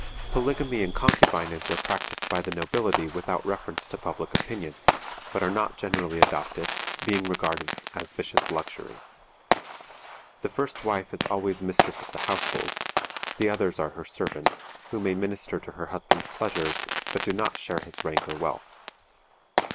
Polygamy and concubinage are practiced by the nobility without reference to public opinion, but are not generally adopted, being regarded as vicious luxuries. The first wife is always mistress of the household; the others are her servants, who may minister to her husband's pleasures, but do not share his rank or wealth.